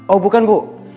oh bukan bu